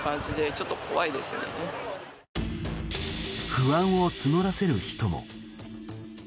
不安を募らせる人も。